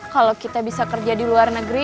kalau kita bisa kerja di luar negeri